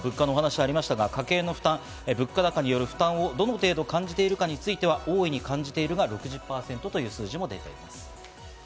家計の負担、物価高による負担をどの程度感じているかについては、大いに感じているが６０％という数字も出ています。